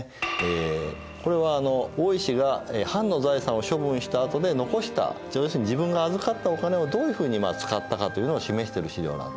これは大石が藩の財産を処分したあとで残した要するに自分が預かったお金をどういうふうに使ったかというのを示している資料なんですね。